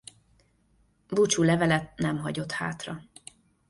Búcsúlevelet nem hagyott hátra.